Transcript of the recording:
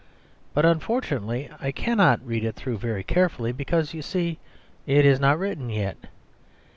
But, unfortunately, I cannot read it through very carefully, because, you see, it is not written yet.